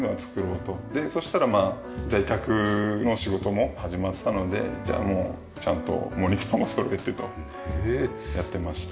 でそしたら在宅の仕事も始まったのでじゃあもうちゃんとモニターもそろえてとやってました。